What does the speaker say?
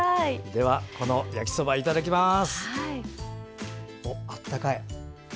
では、焼きそばいただきます。